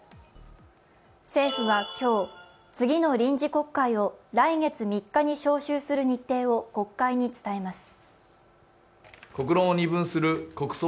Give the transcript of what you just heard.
政府は今日、次の臨時国会を来月３日に召集する日程を国会に伝えます。